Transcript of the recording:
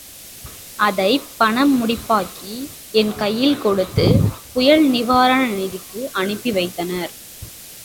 அதைப் பண முடிப்பாக்கி, என் கையில் கொடுத்துப் புயல் நிவாரண நிதிக்கு அனுப்பி வைத்தனர்.